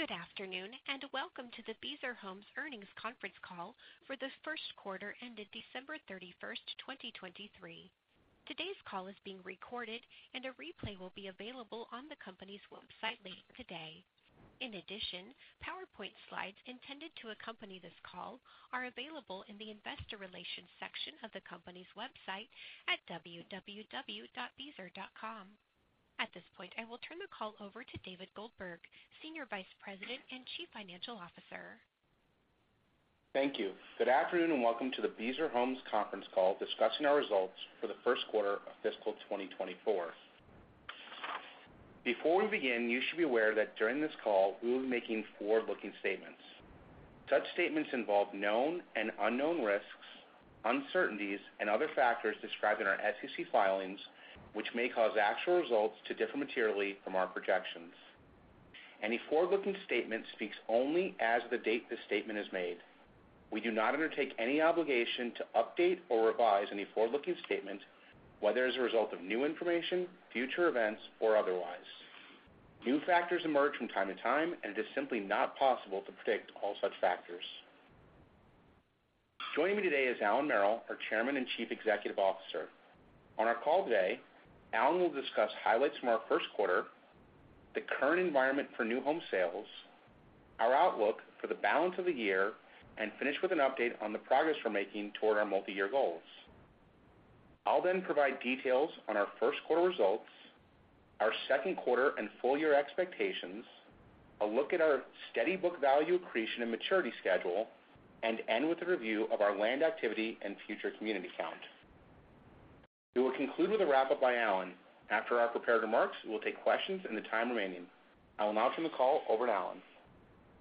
Good afternoon, and welcome to the Beazer Homes Earnings Conference Call for the first quarter ended December 31st, 2023. Today's call is being recorded, and a replay will be available on the company's website later today. In addition, PowerPoint slides intended to accompany this call are available in the Investor Relations section of the company's website at www.beazer.com. At this point, I will turn the call over to David Goldberg, Senior Vice President and Chief Financial Officer. Thank you. Good afternoon, and welcome to the Beazer Homes conference call discussing our results for the first quarter of fiscal 2024. Before we begin, you should be aware that during this call, we will be making forward-looking statements. Such statements involve known and unknown risks, uncertainties, and other factors described in our SEC filings, which may cause actual results to differ materially from our projections. Any forward-looking statement speaks only as of the date this statement is made. We do not undertake any obligation to update or revise any forward-looking statement, whether as a result of new information, future events, or otherwise. New factors emerge from time to time, and it is simply not possible to predict all such factors. Joining me today is Allan Merrill, our Chairman and Chief Executive Officer. On our call today, Allan will discuss highlights from our first quarter, the current environment for new home sales, our outlook for the balance of the year, and finish with an update on the progress we're making toward our multi-year goals. I'll then provide details on our first quarter results, our second quarter and full year expectations, a look at our steady book value accretion and maturity schedule, and end with a review of our land activity and future community count. We will conclude with a wrap-up by Allan. After our prepared remarks, we'll take questions in the time remaining. I will now turn the call over to Allan.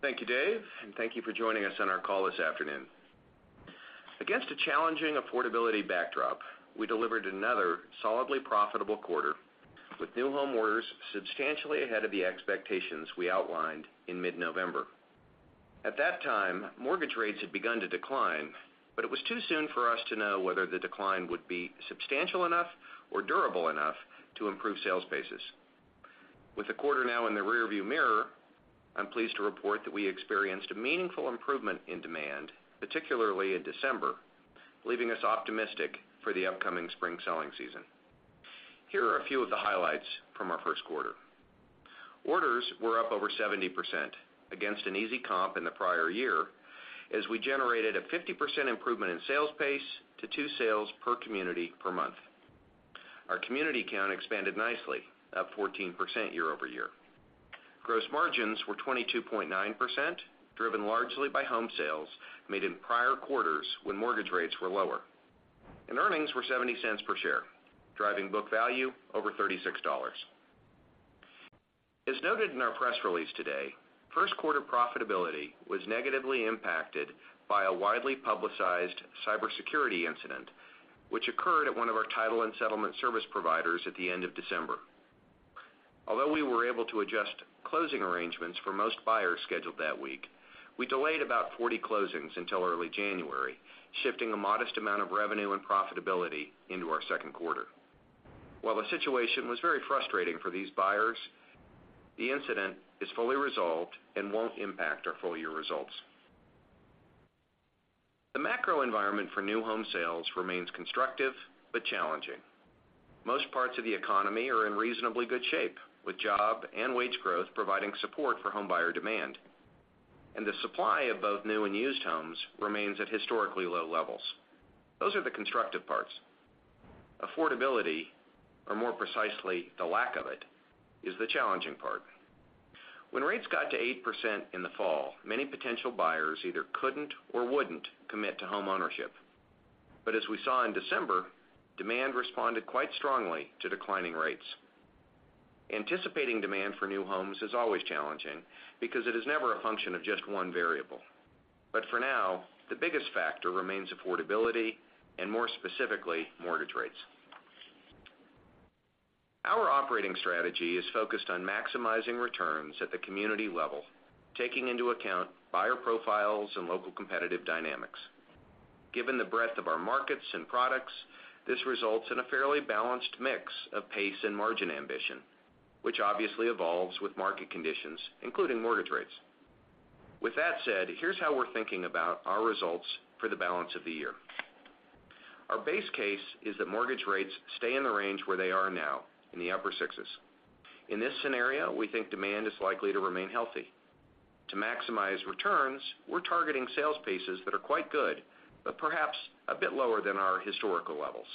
Thank you, Dave, and thank you for joining us on our call this afternoon. Against a challenging affordability backdrop, we delivered another solidly profitable quarter, with new home orders substantially ahead of the expectations we outlined in mid-November. At that time, mortgage rates had begun to decline, but it was too soon for us to know whether the decline would be substantial enough or durable enough to improve sales bases. With the quarter now in the rearview mirror, I'm pleased to report that we experienced a meaningful improvement in demand, particularly in December, leaving us optimistic for the upcoming spring selling season. Here are a few of the highlights from our first quarter. Orders were up over 70% against an easy comp in the prior year, as we generated a 50% improvement in sales pace to two sales per community per month. Our community count expanded nicely, up 14% year over year. Gross margins were 22.9%, driven largely by home sales made in prior quarters when mortgage rates were lower, and earnings were $0.70 per share, driving book value over $36. As noted in our press release today, first quarter profitability was negatively impacted by a widely publicized cybersecurity incident, which occurred at one of our title and settlement service providers at the end of December. Although we were able to adjust closing arrangements for most buyers scheduled that week, we delayed about 40 closings until early January, shifting a modest amount of revenue and profitability into our second quarter. While the situation was very frustrating for these buyers, the incident is fully resolved and won't impact our full-year results. The macro environment for new home sales remains constructive but challenging. Most parts of the economy are in reasonably good shape, with job and wage growth providing support for homebuyer demand, and the supply of both new and used homes remains at historically low levels. Those are the constructive parts. Affordability, or more precisely, the lack of it, is the challenging part. When rates got to 8% in the fall, many potential buyers either couldn't or wouldn't commit to homeownership. But as we saw in December, demand responded quite strongly to declining rates. Anticipating demand for new homes is always challenging because it is never a function of just one variable. But for now, the biggest factor remains affordability and, more specifically, mortgage rates. Our operating strategy is focused on maximizing returns at the community level, taking into account buyer profiles and local competitive dynamics. Given the breadth of our markets and products, this results in a fairly balanced mix of pace and margin ambition, which obviously evolves with market conditions, including mortgage rates. With that said, here's how we're thinking about our results for the balance of the year. Our base case is that mortgage rates stay in the range where they are now, in the upper sixes. In this scenario, we think demand is likely to remain healthy. To maximize returns, we're targeting sales paces that are quite good, but perhaps a bit lower than our historical levels.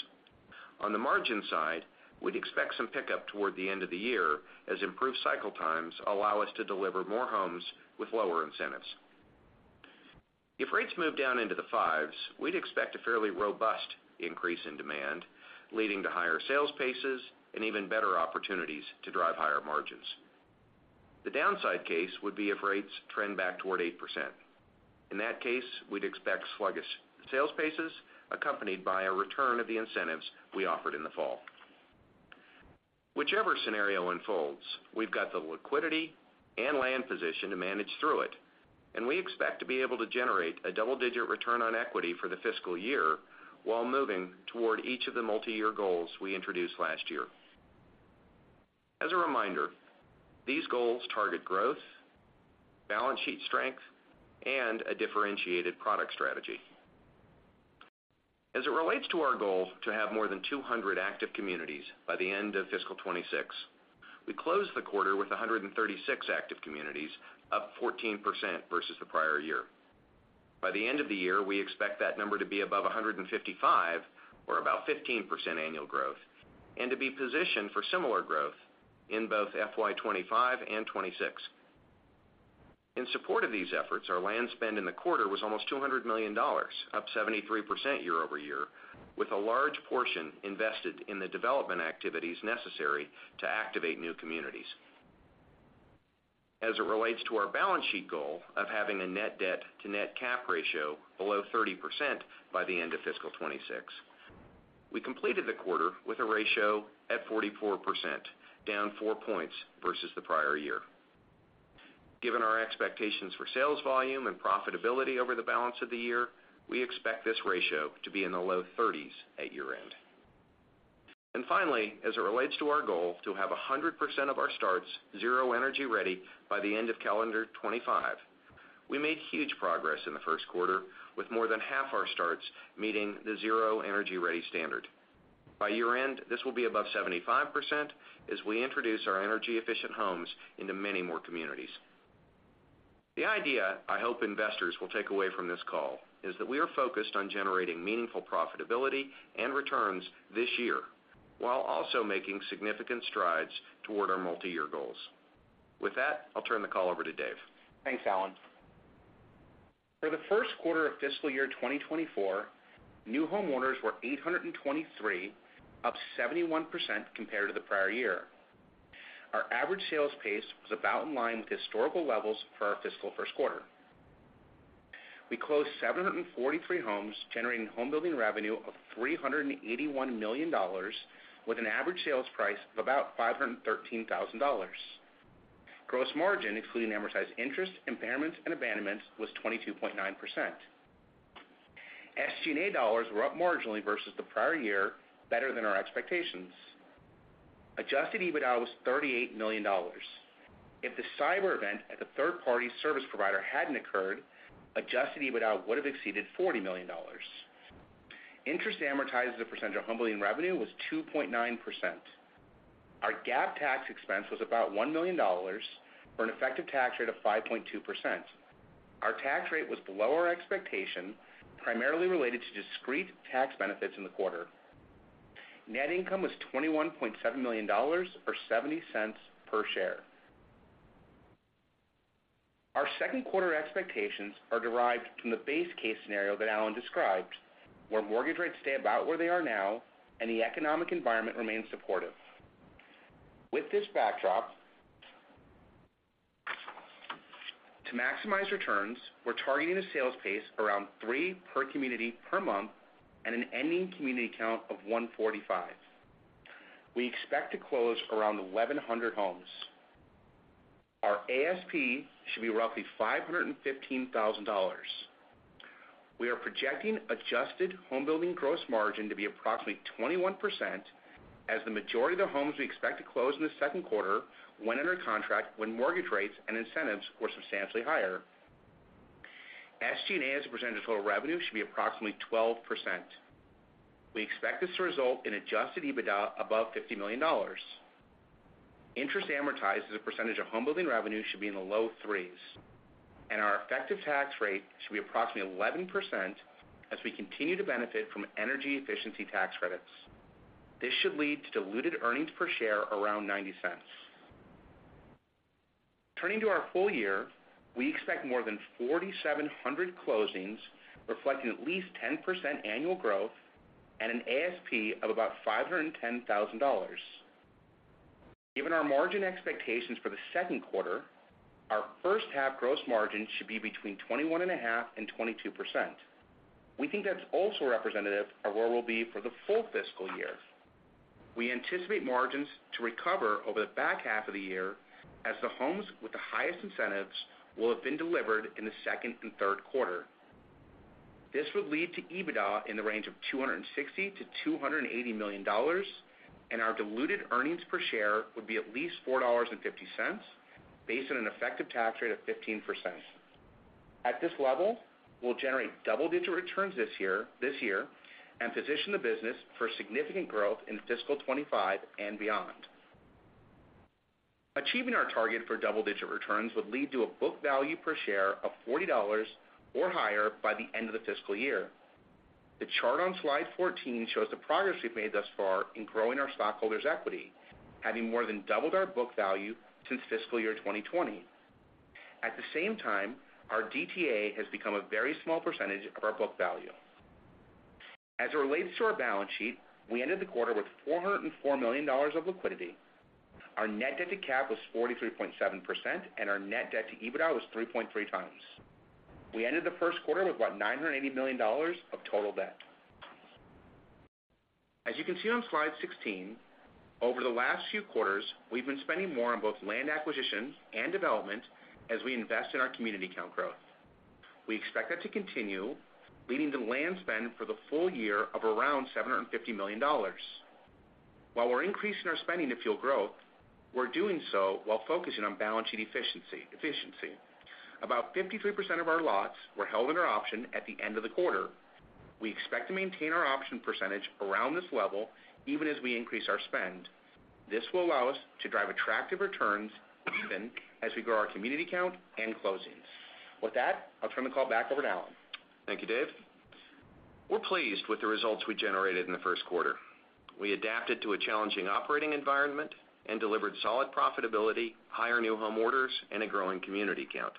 On the margin side, we'd expect some pickup toward the end of the year as improved cycle times allow us to deliver more homes with lower incentives. If rates move down into the fives, we'd expect a fairly robust increase in demand, leading to higher sales paces and even better opportunities to drive higher margins. The downside case would be if rates trend back toward 8%. In that case, we'd expect sluggish sales paces accompanied by a return of the incentives we offered in the fall. Whichever scenario unfolds, we've got the liquidity and land position to manage through it and we expect to be able to generate a double-digit return on equity for the fiscal year, while moving toward each of the multiyear goals we introduced last year. As a reminder, these goals target growth, balance sheet strength, and a differentiated product strategy. As it relates to our goal to have more than 200 active communities by the end of fiscal 2026, we closed the quarter with 136 active communities, up 14% versus the prior year. By the end of the year, we expect that number to be above 155, or about 15% annual growth, and to be positioned for similar growth in both FY 2025 and 2026. In support of these efforts, our land spend in the quarter was almost $200 million, up 73% year-over-year, with a large portion invested in the development activities necessary to activate new communities. As it relates to our balance sheet goal of having a net debt to net cap ratio below 30% by the end of fiscal 2026, we completed the quarter with a ratio at 44%, down 4 points versus the prior year. Given our expectations for sales volume and profitability over the balance of the year, we expect this ratio to be in the low 30s at year-end. And finally, as it relates to our goal to have 100% of our starts Zero Energy Ready by the end of calendar 2025, we made huge progress in the first quarter, with more than half our starts meeting the Zero Energy Ready standard. By year-end, this will be above 75% as we introduce our energy-efficient homes into many more communities. The idea I hope investors will take away from this call is that we are focused on generating meaningful profitability and returns this year, while also making significant strides toward our multiyear goals. With that, I'll turn the call over to Dave. Thanks, Allan. For the first quarter of fiscal year 2024, new homeowners were 823, up 71% compared to the prior year. Our average sales pace was about in line with historical levels for our fiscal first quarter. We closed 743 homes, generating homebuilding revenue of $381 million, with an average sales price of about $513,000. Gross margin, including amortized interest, impairments, and abandonments, was 22.9%. SG&A dollars were up marginally versus the prior year, better than our expectations. Adjusted EBITDA was $38 million. If the cyber event at the third-party service provider hadn't occurred, adjusted EBITDA would have exceeded $40 million. Interest amortized as a percentage of homebuilding revenue was 2.9%. Our GAAP tax expense was about $1 million, for an effective tax rate of 5.2%. Our tax rate was below our expectation, primarily related to discrete tax benefits in the quarter. Net income was $21.7 million, or $0.70 per share. Our second quarter expectations are derived from the base case scenario that Allan described, where mortgage rates stay about where they are now and the economic environment remains supportive. With this backdrop, to maximize returns, we're targeting a sales pace around three per community per month and an ending community count of 145. We expect to close around 1,100 homes. Our ASP should be roughly $515,000. We are projecting adjusted home building gross margin to be approximately 21%, as the majority of the homes we expect to close in the second quarter went under contract when mortgage rates and incentives were substantially higher. SG&A as a percentage of total revenue should be approximately 12%. We expect this to result in adjusted EBITDA above $50 million. Interest amortized as a percentage of home building revenue should be in the low 3s, and our effective tax rate should be approximately 11% as we continue to benefit from energy efficiency tax credits. This should lead to diluted earnings per share around $0.90. Turning to our full year, we expect more than 4,700 closings, reflecting at least 10% annual growth and an ASP of about $510,000. Given our margin expectations for the second quarter, our first half gross margin should be between 21.5% and 22%. We think that's also representative of where we'll be for the full fiscal year. We anticipate margins to recover over the back half of the year, as the homes with the highest incentives will have been delivered in the second and third quarter. This would lead to EBITDA in the range of $260 million-$280 million, and our diluted earnings per share would be at least $4.50, based on an effective tax rate of 15%. At this level, we'll generate double-digit returns this year, this year, and position the business for significant growth in fiscal 2025 and beyond. Achieving our target for double-digit returns would lead to a book value per share of $40 or higher by the end of the fiscal year. The chart on slide 14 shows the progress we've made thus far in growing our stockholders' equity, having more than doubled our book value since fiscal year 2020. At the same time, our DTA has become a very small percentage of our book value. As it relates to our balance sheet, we ended the quarter with $404 million of liquidity. Our net debt to net cap was 43.7%, and our net debt to EBITDA was 3.3 times. We ended the first quarter with about $980 million of total debt. As you can see on slide 16, over the last few quarters, we've been spending more on both land acquisition and development as we invest in our community count growth. We expect that to continue, leading to land spend for the full year of around $750 million. While we're increasing our spending to fuel growth, we're doing so while focusing on balance sheet efficiency. About 53% of our lots were held in our option at the end of the quarter. We expect to maintain our option percentage around this level even as we increase our spend. This will allow us to drive attractive returns even as we grow our community count and closings. With that, I'll turn the call back over to Allan. Thank you, Dave. We're pleased with the results we generated in the first quarter. We adapted to a challenging operating environment and delivered solid profitability, higher new home orders, and a growing community count.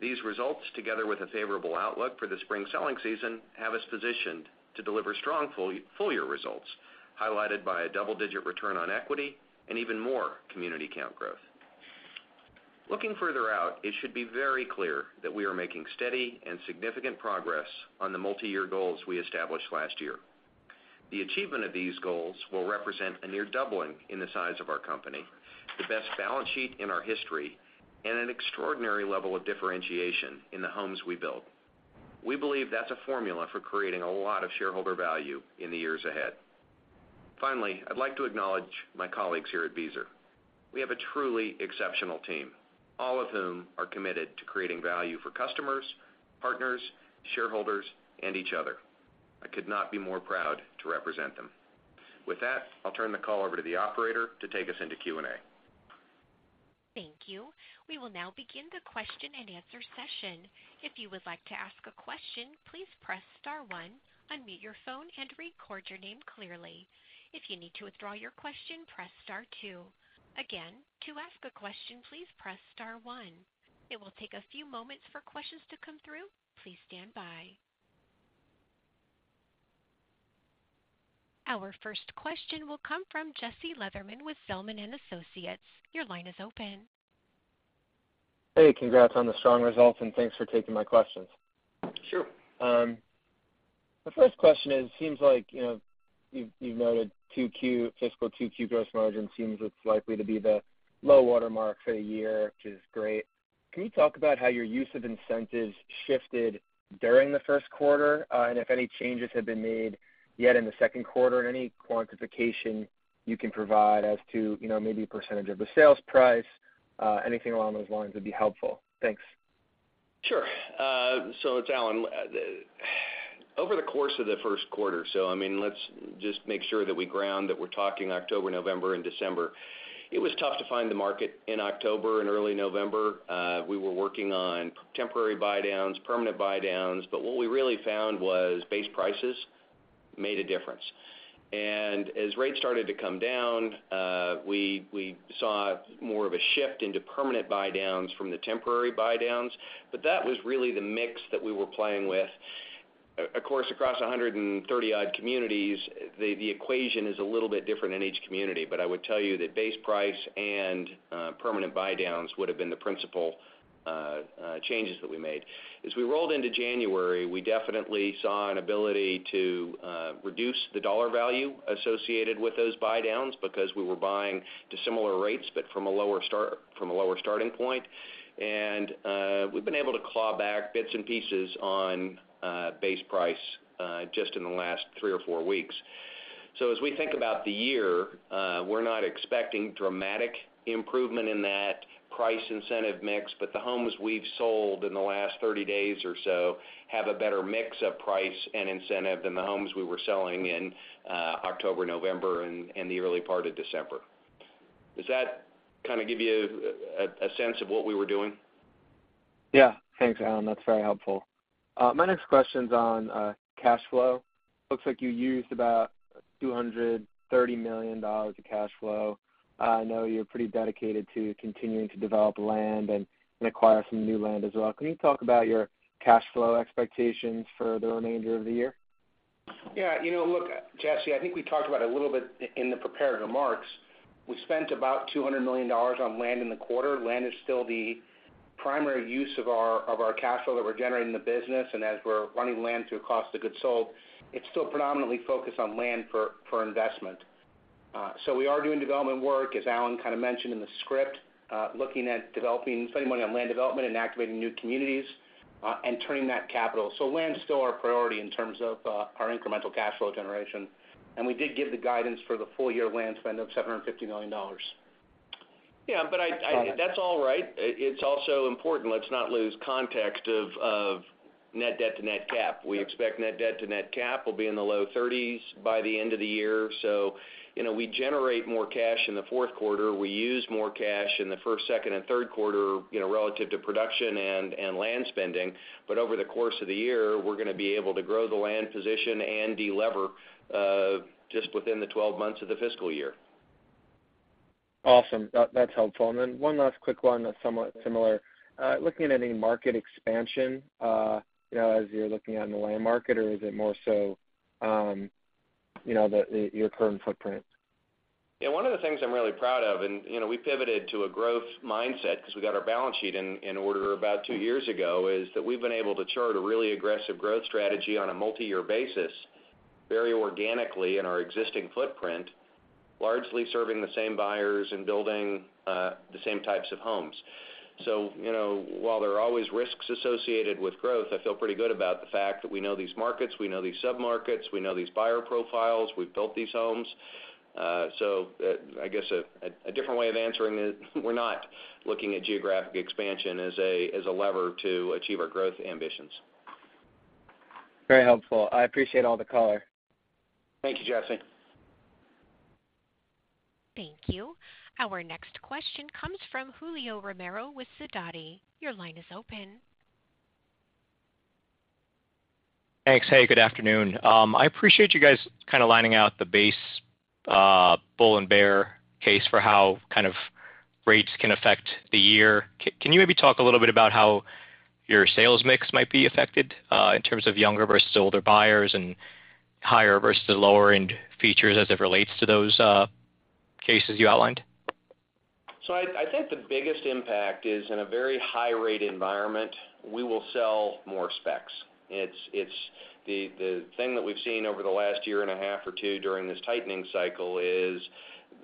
These results, together with a favorable outlook for the spring selling season, have us positioned to deliver strong full, full year results, highlighted by a double-digit return on equity and even more community count growth. Looking further out, it should be very clear that we are making steady and significant progress on the multiyear goals we established last year. The achievement of these goals will represent a near doubling in the size of our company, the best balance sheet in our history, and an extraordinary level of differentiation in the homes we build. We believe that's a formula for creating a lot of shareholder value in the years ahead. Finally, I'd like to acknowledge my colleagues here at Beazer. We have a truly exceptional team, all of whom are committed to creating value for customers, partners, shareholders, and each other. I could not be more proud to represent them. With that, I'll turn the call over to the operator to take us into Q&A. Thank you. We will now begin the question-and-answer session. If you would like to ask a question, please press star one, unmute your phone, and record your name clearly. If you need to withdraw your question, press star two. Again, to ask a question, please press star one. It will take a few moments for questions to come through. Please stand by. Our first question will come from Jesse Lederman with Zelman & Associates. Your line is open. Hey, congrats on the strong results, and thanks for taking my questions. Sure. My first question is, it seems like, you know, you've noted 2Q, fiscal 2Q gross margin seems it's likely to be the low water mark for the year, which is great. Can you talk about how your use of incentives shifted during the first quarter, and if any changes have been made yet in the second quarter? Any quantification you can provide as to, you know, maybe percentage of the sales price, anything along those lines would be helpful. Thanks. Sure. So it's Allan. Over the course of the first quarter, so I mean, let's just make sure that we ground that we're talking October, November, and December. It was tough to find the market in October and early November. We were working on temporary buydowns, permanent buydowns, but what we really found was base prices made a difference. And as rates started to come down, we saw more of a shift into permanent buydowns from the temporary buydowns, but that was really the mix that we were playing with. Of course, across 130-odd communities, the equation is a little bit different in each community, but I would tell you that base price and permanent buydowns would have been the principal changes that we made. As we rolled into January, we definitely saw an ability to reduce the dollar value associated with those buydowns because we were buying to similar rates, but from a lower starting point. And we've been able to claw back bits and pieces on base price just in the last three or four weeks. So as we think about the year, we're not expecting dramatic improvement in that price incentive mix, but the homes we've sold in the last thirty days or so have a better mix of price and incentive than the homes we were selling in October, November, and the early part of December. Does that kind of give you a sense of what we were doing? Yeah. Thanks, Allan. That's very helpful. My next question's on cash flow. Looks like you used about $230 million of cash flow. I know you're pretty dedicated to continuing to develop land and acquire some new land as well. Can you talk about your cash flow expectations for the remainder of the year? Yeah, you know, look, Jesse, I think we talked about it a little bit in the prepared remarks. We spent about $200 million on land in the quarter. Land is still the primary use of our cash flow that we're generating in the business, and as we're running land through cost of goods sold, it's still predominantly focused on land for investment. So we are doing development work, as Allan kind of mentioned in the script, looking at developing, spending money on land development and activating new communities, and turning that capital. So land's still our priority in terms of our incremental cash flow generation, and we did give the guidance for the full year land spend of $750 million. Yeah, but Got it. That's all right. It's also important, let's not lose context of Net Debt to Net Cap. We expect Net Debt to Net Cap will be in the low thirties by the end of the year. So, you know, we generate more cash in the fourth quarter. We use more cash in the first, second, and third quarter, you know, relative to production and land spending. But over the course of the year, we're gonna be able to grow the land position and delever just within the 12 months of the fiscal year. Awesome. That, that's helpful. And then one last quick one that's somewhat similar. Looking at any market expansion, you know, as you're looking on the land market, or is it more so, you know, the, your current footprint?... Yeah, one of the things I'm really proud of, and, you know, we pivoted to a growth mindset because we got our balance sheet in, in order about two years ago, is that we've been able to chart a really aggressive growth strategy on a multi-year basis, very organically in our existing footprint, largely serving the same buyers and building the same types of homes. So, you know, while there are always risks associated with growth, I feel pretty good about the fact that we know these markets, we know these submarkets, we know these buyer profiles, we've built these homes. So, I guess a different way of answering it, we're not looking at geographic expansion as a lever to achieve our growth ambitions. Very helpful. I appreciate all the color. Thank you, Jesse. Thank you. Our next question comes from Julio Romero with Sidoti. Your line is open. Thanks. Hey, good afternoon. I appreciate you guys kind of laying out the base, bull and bear case for how kind of rates can affect the year. Can you maybe talk a little bit about how your sales mix might be affected, in terms of younger versus older buyers and higher versus the lower-end features as it relates to those cases you outlined? So I think the biggest impact is, in a very high-rate environment, we will sell more specs. It's the thing that we've seen over the last year and a half or two during this tightening cycle is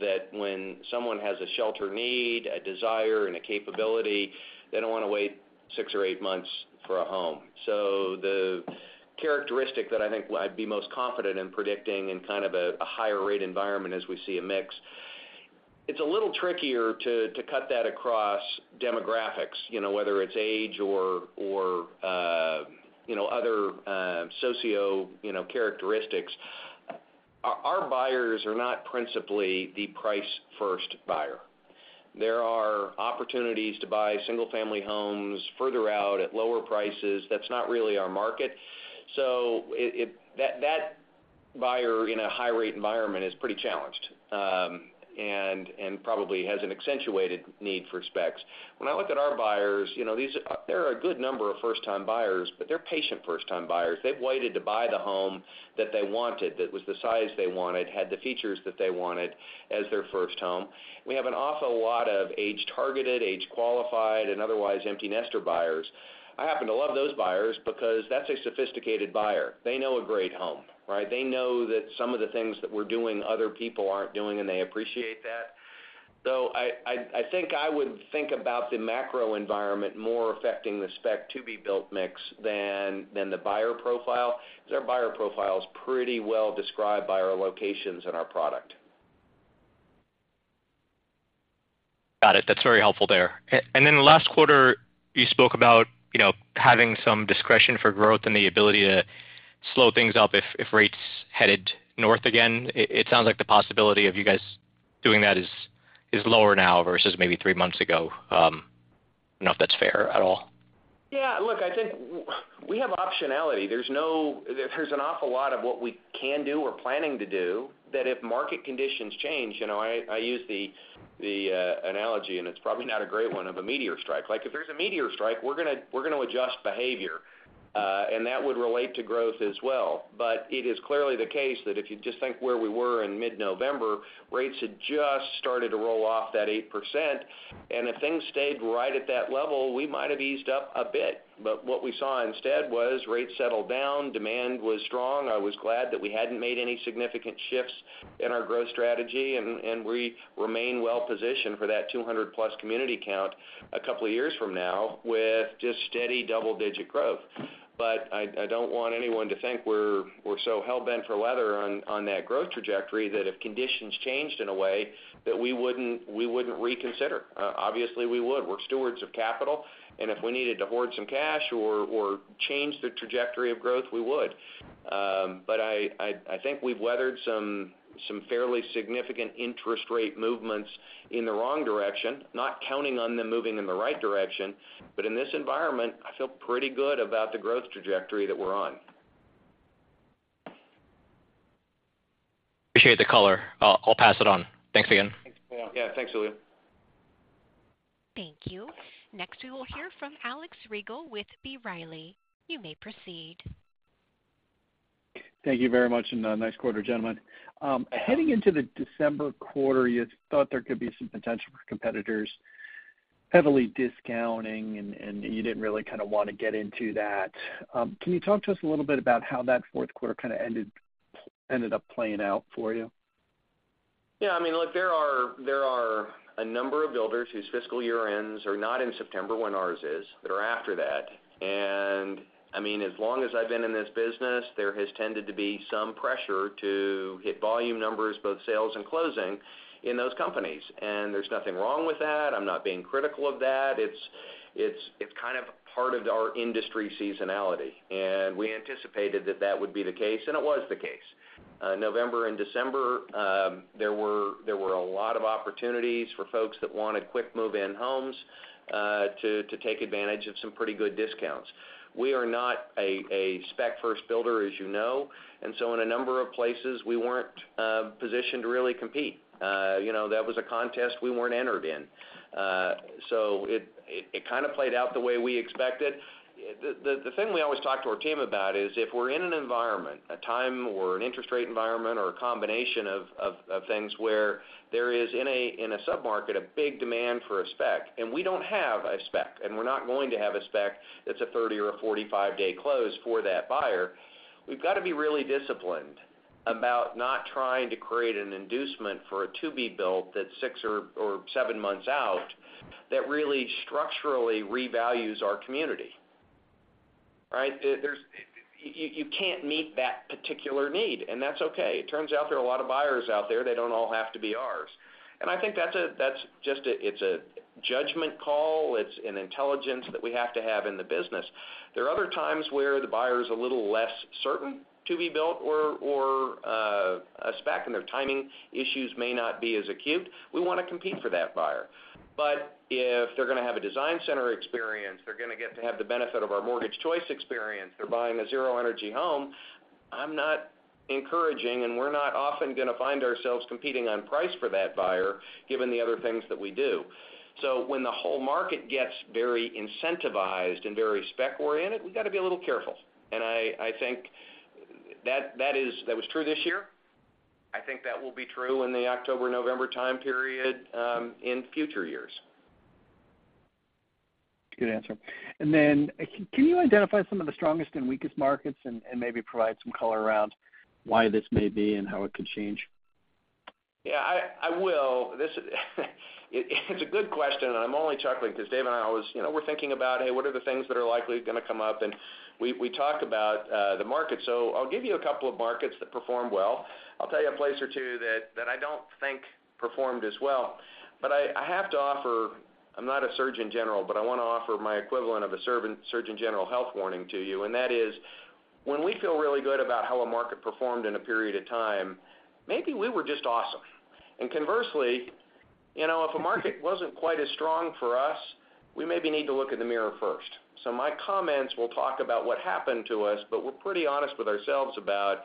that when someone has a shelter need, a desire, and a capability, they don't wanna wait six or eight months for a home. So the characteristic that I think I'd be most confident in predicting in kind of a higher rate environment as we see a mix, it's a little trickier to cut that across demographics, you know, whether it's age or you know, other socio, you know, characteristics. Our buyers are not principally the price-first buyer. There are opportunities to buy single-family homes further out at lower prices. That's not really our market. So it-- that buyer in a high-rate environment is pretty challenged, and probably has an accentuated need for specs. When I look at our buyers, you know, there are a good number of first-time buyers, but they're patient first-time buyers. They've waited to buy the home that they wanted, that was the size they wanted, had the features that they wanted as their first home. We have an awful lot of age-targeted, age-qualified, and otherwise empty nester buyers. I happen to love those buyers because that's a sophisticated buyer. They know a great home, right? They know that some of the things that we're doing, other people aren't doing, and they appreciate that. So I think I would think about the macro environment more affecting the spec to-be-built mix than the buyer profile. Because our buyer profile is pretty well described by our locations and our product. Got it. That's very helpful there. And then last quarter, you spoke about, you know, having some discretion for growth and the ability to slow things up if rates headed north again. It sounds like the possibility of you guys doing that is lower now versus maybe three months ago. I don't know if that's fair at all. Yeah, look, I think we have optionality. There's no, there's an awful lot of what we can do or planning to do, that if market conditions change, you know, I use the analogy, and it's probably not a great one, of a meteor strike. Like, if there's a meteor strike, we're gonna adjust behavior, and that would relate to growth as well. But it is clearly the case that if you just think where we were in mid-November, rates had just started to roll off that 8%, and if things stayed right at that level, we might have eased up a bit. But what we saw instead was rates settled down, demand was strong. I was glad that we hadn't made any significant shifts in our growth strategy, and we remain well positioned for that 200-plus community count a couple of years from now with just steady double-digit growth. But I don't want anyone to think we're so hell-bent for leather on that growth trajectory, that if conditions changed in a way that we wouldn't reconsider. Obviously, we would. We're stewards of capital, and if we needed to hoard some cash or change the trajectory of growth, we would. But I think we've weathered some fairly significant interest rate movements in the wrong direction, not counting on them moving in the right direction, but in this environment, I feel pretty good about the growth trajectory that we're on. Appreciate the color. I'll pass it on. Thanks again. Yeah. Thanks, Julio. Thank you. Next, we will hear from Alex Rygiel with B. Riley. You may proceed. Thank you very much, and nice quarter, gentlemen. Heading into the December quarter, you thought there could be some potential for competitors heavily discounting, and you didn't really kind of want to get into that. Can you talk to us a little bit about how that fourth quarter kind of ended up playing out for you? Yeah, I mean, look, there are, there are a number of builders whose fiscal year ends are not in September, when ours is, that are after that. And I mean, as long as I've been in this business, there has tended to be some pressure to hit volume numbers, both sales and closing, in those companies. And there's nothing wrong with that. I'm not being critical of that. It's, it's, it's kind of part of our industry seasonality, and we anticipated that that would be the case, and it was the case. November and December, there were, there were a lot of opportunities for folks that wanted quick move-in homes, to, to take advantage of some pretty good discounts. We are not a, a spec-first builder, as you know, and so in a number of places, we weren't positioned to really compete. You know, that was a contest we weren't entered in. So it kind of played out the way we expected. The thing we always talk to our team about is if we're in an environment, a time or an interest rate environment, or a combination of things where there is, in a submarket, a big demand for a spec, and we don't have a spec, and we're not going to have a spec that's a 30- or 45-day close for that buyer, we've got to be really disciplined about not trying to create an inducement for a to-be-built that's 6 or 7 months out, that really structurally revalues our community, right? There's, you can't meet that particular need, and that's okay. It turns out there are a lot of buyers out there, they don't all have to be ours. I think that's just a judgment call. It's an intelligence that we have to have in the business. There are other times where the buyer is a little less certain to be built or a spec, and their timing issues may not be as acute. We wanna compete for that buyer. But if they're gonna have a design center experience, they're gonna get to have the benefit of our Mortgage Choice experience. They're buying a zero-energy home. I'm not encouraging, and we're not often gonna find ourselves competing on price for that buyer, given the other things that we do. So when the whole market gets very incentivized and very spec-oriented, we've got to be a little careful. And I think that was true this year. I think that will be true in the October-November time period, in future years. Good answer. And then, can you identify some of the strongest and weakest markets and maybe provide some color around why this may be and how it could change? Yeah, I will. This is a good question, and I'm only chuckling because Dave and I always, you know, we're thinking about, hey, what are the things that are likely gonna come up? And we talk about the market. So I'll give you a couple of markets that perform well. I'll tell you a place or two that I don't think performed as well. But I have to offer... I'm not a Surgeon General, but I wanna offer my equivalent of a servant-surgeon general health warning to you, and that is, when we feel really good about how a market performed in a period of time, maybe we were just awesome. And conversely, you know, if a market wasn't quite as strong for us, we maybe need to look in the mirror first. So my comments will talk about what happened to us, but we're pretty honest with ourselves about,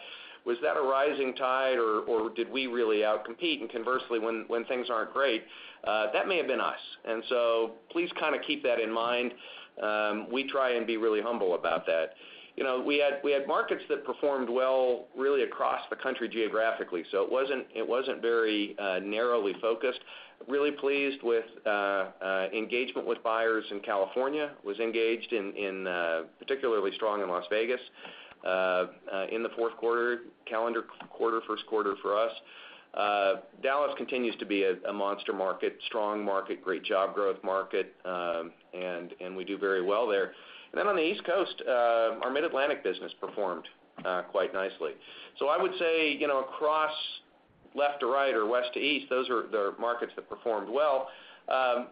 was that a rising tide or did we really outcompete? And conversely, when things aren't great, that may have been us. And so please kind of keep that in mind. We try and be really humble about that. You know, we had markets that performed well, really across the country geographically, so it wasn't very narrowly focused. Really pleased with engagement with buyers in California, was engaged in particularly strong in Las Vegas in the fourth quarter, calendar quarter, first quarter for us. Dallas continues to be a monster market, strong market, great job growth market, and we do very well there. Then on the East Coast, our Mid-Atlantic business performed quite nicely. So I would say, you know, across left to right or west to east, those are the markets that performed well.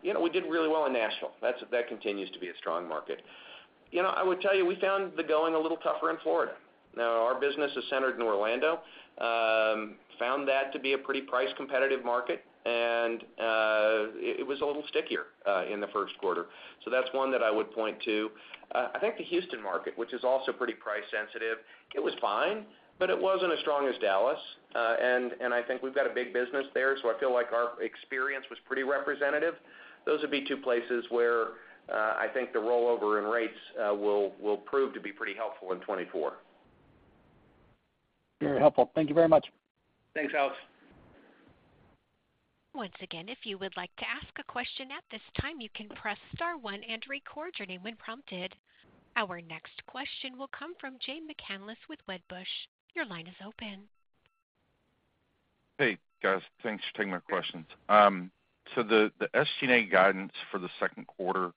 You know, we did really well in Nashville. That's that continues to be a strong market. You know, I would tell you, we found the going a little tougher in Florida. Now, our business is centered in Orlando, found that to be a pretty price-competitive market, and it was a little stickier in the first quarter. So that's one that I would point to. I think the Houston market, which is also pretty price sensitive, it was fine, but it wasn't as strong as Dallas. And I think we've got a big business there, so I feel like our experience was pretty representative. Those would be two places where I think the rollover in rates will prove to be pretty helpful in 2024. Very helpful. Thank you very much. Thanks, Alex. Once again, if you would like to ask a question at this time, you can press star one and record your name when prompted. Our next question will come from Jay McCanless with Wedbush. Your line is open. Hey, guys, thanks for taking my questions. So the SG&A guidance for the second quarter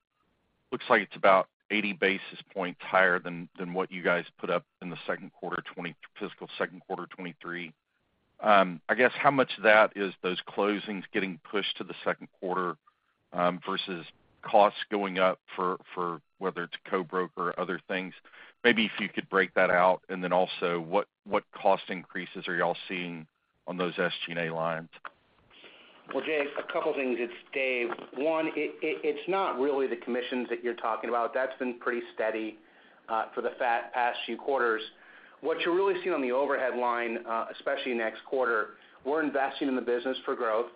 looks like it's about 80 basis points higher than what you guys put up in the fiscal second quarter 2023. I guess, how much of that is those closings getting pushed to the second quarter versus costs going up for whether it's co-broker or other things? Maybe if you could break that out, and then also, what cost increases are you all seeing on those SG&A lines? Well, Jay, a couple of things. It's Dave. One, it's not really the commissions that you're talking about. That's been pretty steady for the past few quarters. What you're really seeing on the overhead line, especially next quarter, we're investing in the business for growth.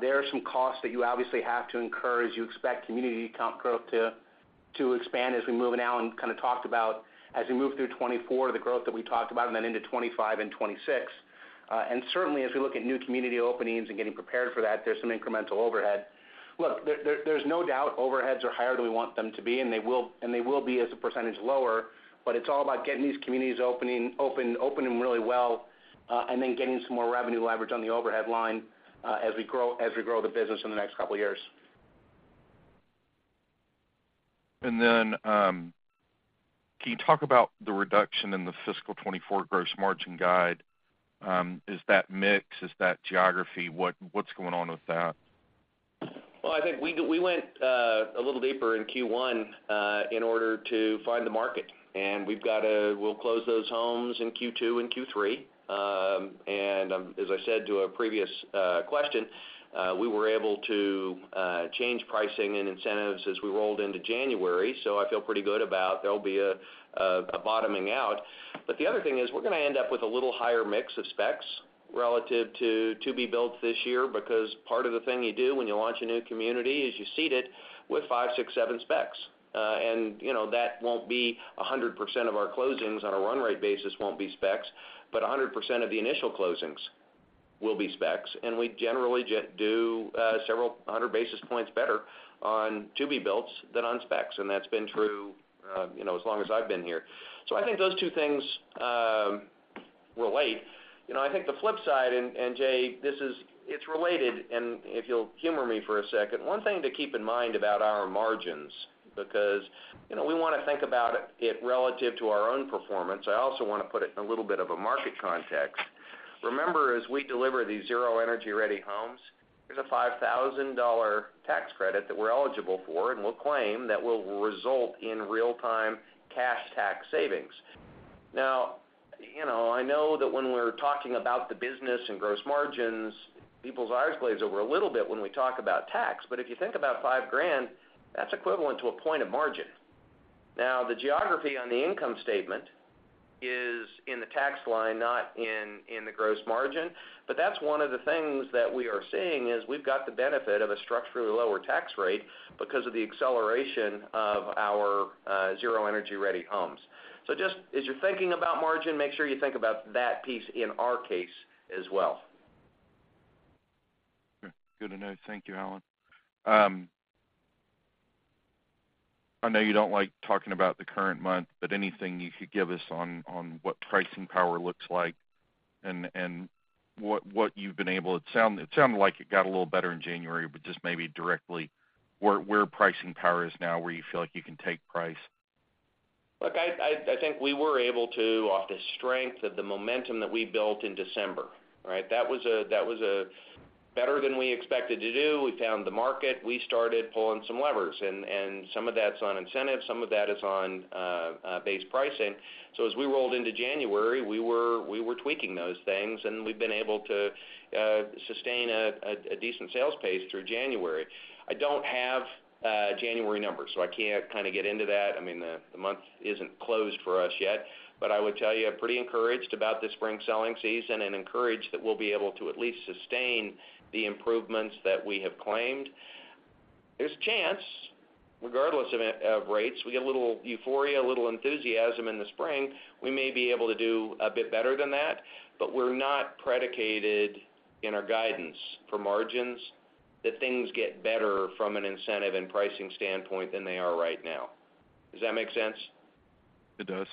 There are some costs that you obviously have to incur as you expect community comp growth to expand as we move in now, and kind of talked about as we move through 2024, the growth that we talked about, and then into 2025 and 2026. And certainly, as we look at new community openings and getting prepared for that, there's some incremental overhead. Look, there, there's no doubt overheads are higher than we want them to be, and they will, and they will be as a percentage lower, but it's all about getting these communities opening, open, opening really well, and then getting some more revenue leverage on the overhead line, as we grow, as we grow the business in the next couple of years. Can you talk about the reduction in the fiscal 2024 gross margin guide? Is that mix? Is that geography? What's going on with that? Well, I think we went a little deeper in Q1 in order to find the market, and we've got to. We'll close those homes in Q2 and Q3. As I said to a previous question, we were able to change pricing and incentives as we rolled into January, so I feel pretty good about there'll be a bottoming out. But the other thing is, we're gonna end up with a little higher mix of specs relative to to-be-builts this year, because part of the thing you do when you launch a new community is you seed it with five, six, seven specs. You know, that won't be 100% of our closings on a run rate basis, won't be specs, but 100% of the initial closings will be specs. And we generally just do several hundred basis points better on to-be-builts than on specs, and that's been true, you know, as long as I've been here. So I think those two things relate. You know, I think the flip side, and, and Jay, this is it's related, and if you'll humor me for a second, one thing to keep in mind about our margins, because, you know, we want to think about it, it relative to our own performance. I also want to put it in a little bit of a market context. Remember, as we deliver these Zero Energy Ready homes, there's a $5,000 tax credit that we're eligible for, and we'll claim that will result in real-time cash tax savings. Now, you know, I know that when we're talking about the business and gross margins, people's eyes glaze over a little bit when we talk about tax, but if you think about $5,000, that's equivalent to a point of margin. Now, the geography on the income statement is in the tax line, not in the gross margin, but that's one of the things that we are seeing: we've got the benefit of a structurally lower tax rate because of the acceleration of our Zero Energy Ready homes. So just as you're thinking about margin, make sure you think about that piece in our case as well. Good to know. Thank you, Allan. I know you don't like talking about the current month, but anything you could give us on what pricing power looks like and what you've been able... It sounded like it got a little better in January, but just maybe directly, where pricing power is now, where you feel like you can take price? Look, I think we were able to, off the strength of the momentum that we built in December, right? That was better than we expected to do. We found the market. We started pulling some levers, and some of that's on incentives, some of that is on base pricing. So as we rolled into January, we were tweaking those things, and we've been able to sustain a decent sales pace through January. I don't have January numbers, so I can't kind of get into that. I mean, the month isn't closed for us yet, but I would tell you, I'm pretty encouraged about the spring selling season and encouraged that we'll be able to at least sustain the improvements that we have claimed. There's a chance, regardless of rates, we get a little euphoria, a little enthusiasm in the spring. We may be able to do a bit better than that, but we're not predicated in our guidance for margins that things get better from an incentive and pricing standpoint than they are right now. Does that make sense? It does.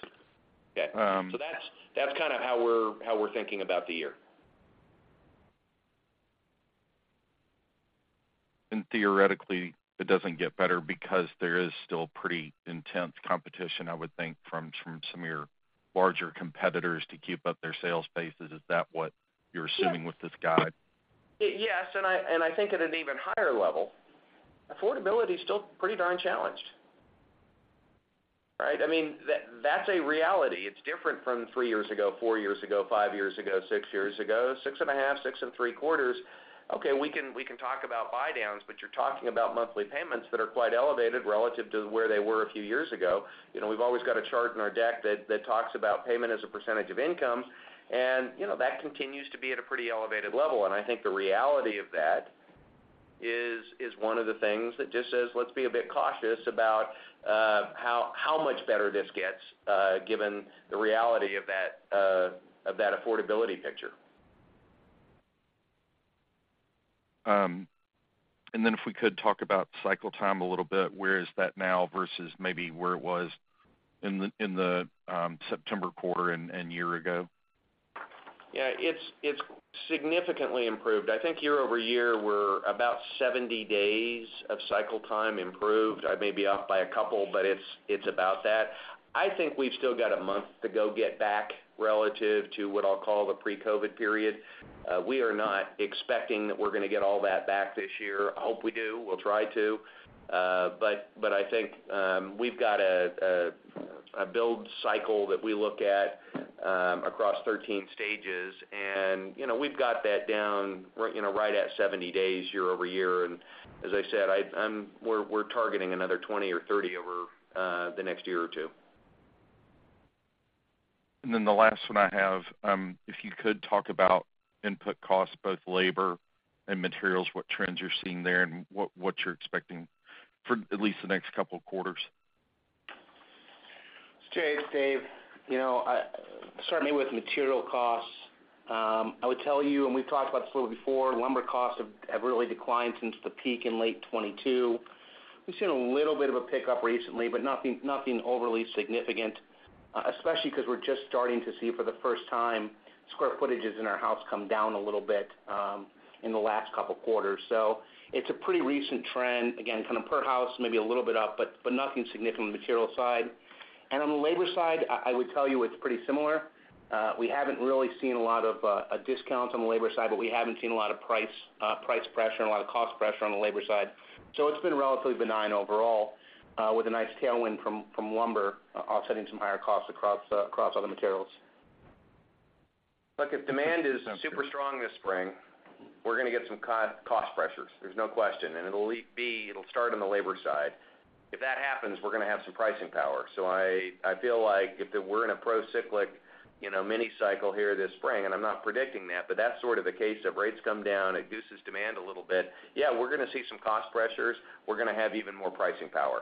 Okay. Um- So that's kind of how we're thinking about the year. Theoretically, it doesn't get better because there is still pretty intense competition, I would think, from some of your larger competitors to keep up their sales bases. Is that what you're assuming? Yes... with this guide? Yes, and I think at an even higher level, affordability is still pretty darn challenged, right? I mean, that's a reality. It's different from three years ago, four years ago, five years ago, six years ago, six and a half, six and three quarters. Okay, we can talk about buydowns, but you're talking about monthly payments that are quite elevated relative to where they were a few years ago. You know, we've always got a chart in our deck that talks about payment as a percentage of income, and, you know, that continues to be at a pretty elevated level. And I think the reality of that is one of the things that just says, let's be a bit cautious about how much better this gets, given the reality of that affordability picture. And then if we could talk about cycle time a little bit, where is that now versus maybe where it was in the September quarter and year ago? Yeah, it's significantly improved. I think year-over-year, we're about 70 days of cycle time improved. I may be off by a couple, but it's about that. I think we've still got a month to go get back relative to what I'll call the pre-COVID period. We are not expecting that we're gonna get all that back this year. I hope we do. We'll try to, but I think we've got a build cycle that we look at across 13 stages, and, you know, we've got that down, you know, right at 70 days, year-over-year. And as I said, we're targeting another 20 or 30 over the next year or two. Then the last one I have, if you could talk about input costs, both labor and materials, what trends you're seeing there and what you're expecting for at least the next couple of quarters? Jay, it's Dave. You know, starting with material costs, I would tell you, and we've talked about this a little before, lumber costs have really declined since the peak in late 2022. We've seen a little bit of a pickup recently, but nothing overly significant, especially because we're just starting to see for the first time, square footages in our house come down a little bit, in the last couple of quarters. So it's a pretty recent trend. Again, kind of per house, maybe a little bit up, but nothing significant on the material side. And on the labor side, I would tell you it's pretty similar. We haven't really seen a lot of a discount on the labor side, but we haven't seen a lot of price price pressure and a lot of cost pressure on the labor side. So it's been relatively benign overall, with a nice tailwind from lumber, offsetting some higher costs across other materials.... Look, if demand is super strong this spring, we're gonna get some cost pressures. There's no question, and it'll start on the labor side. If that happens, we're gonna have some pricing power. So I feel like if we're in a pro-cyclical, you know, mini cycle here this spring, and I'm not predicting that, but that's sort of the case. If rates come down, it gooses demand a little bit. Yeah, we're gonna see some cost pressures. We're gonna have even more pricing power.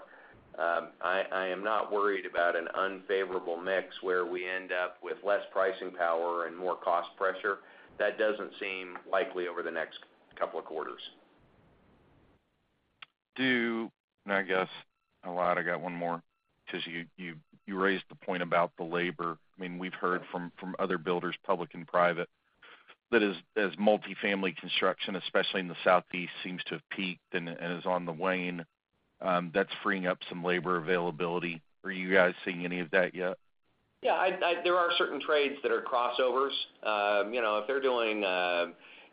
I am not worried about an unfavorable mix where we end up with less pricing power and more cost pressure. That doesn't seem likely over the next couple of quarters. And I guess a lot, I got one more, 'cause you raised the point about the labor. I mean, we've heard from other builders, public and private, that as multifamily construction, especially in the Southeast, seems to have peaked and is on the wane, that's freeing up some labor availability. Are you guys seeing any of that yet? Yeah, there are certain trades that are crossovers. You know, if they're doing,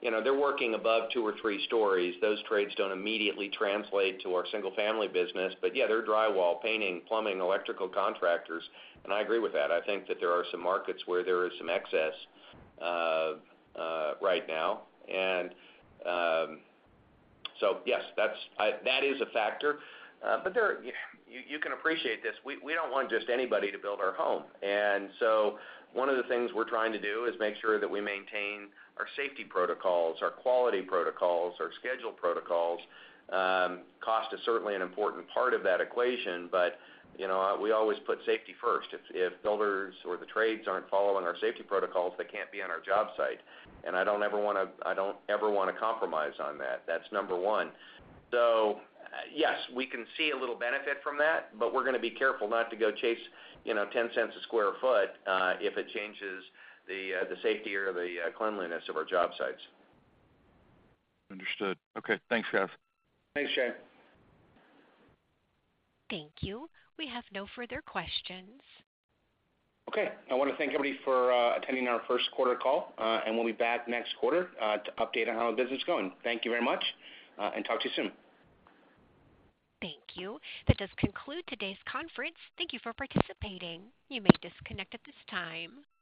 you know, they're working above two or three stories, those trades don't immediately translate to our single-family business. But yeah, they're drywall, painting, plumbing, electrical contractors, and I agree with that. I think that there are some markets where there is some excess right now. And so yes, that's, I... That is a factor. But there, you can appreciate this, we don't want just anybody to build our home. And so one of the things we're trying to do is make sure that we maintain our safety protocols, our quality protocols, our schedule protocols. Cost is certainly an important part of that equation, but, you know, we always put safety first. If builders or the trades aren't following our safety protocols, they can't be on our job site. And I don't ever wanna, I don't ever wanna compromise on that. That's number one. So yes, we can see a little benefit from that, but we're gonna be careful not to go chase, you know, $0.10 a sq ft, if it changes the safety or the cleanliness of our job sites. Understood. Okay, thanks, Jeff. Thanks, Shane. Thank you. We have no further questions. Okay. I wanna thank everybody for attending our first quarter call, and we'll be back next quarter to update on how our business is going. Thank you very much, and talk to you soon. Thank you. That does conclude today's conference. Thank you for participating. You may disconnect at this time.